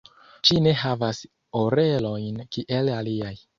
Ŝi ne havas orelojn kiel aliaj.